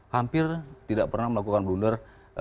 hampir tidak pernah melakukan blunder